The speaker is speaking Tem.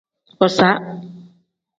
Booza.